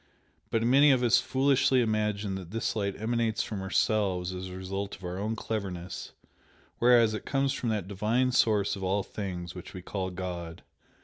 But many of us foolishly imagine that this light emanates from ourselves as a result of our own cleverness, whereas it comes from that Divine Source of all things, which we call God.